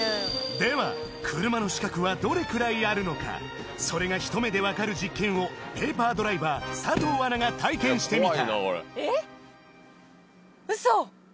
では車の死角はどれくらいあるのかそれがひと目でわかる実験をペーパードライバー佐藤アナが体験してみた